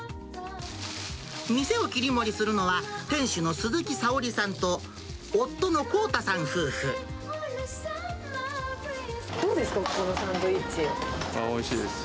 店を切り盛りするのは、店主の鈴木沙織さんと、どうですか、ここのサンドイおいしいです。